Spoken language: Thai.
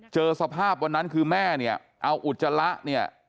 เจอสภาพวันนั้นคือแม่เนี่ยเอาอุจจาระเนี่ย